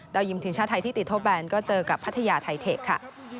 ยิมทีมชาติไทยที่ติดโทษแบนก็เจอกับพัทยาไทเทคค่ะ